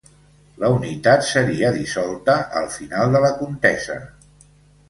La unitat seria dissolta al final de la contesa.